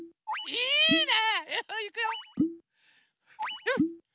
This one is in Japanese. いいね！